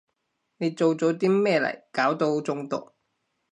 你做咗啲咩嚟搞到中毒？